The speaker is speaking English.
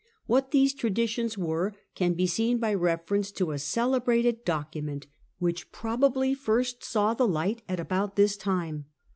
What these traditions were can be seen by reference to a£ celebrated document, which probably first saw the light at about this time.